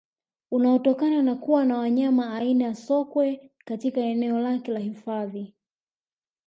Unaotokana na kuwa na wanyama aina ya Sokwe katika eneo lake la hifadhi